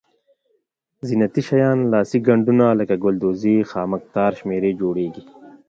زینتي شیان لاسي ګنډونه لکه ګلدوزي خامک تار شمېر جوړیږي.